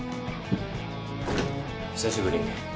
久しぶり。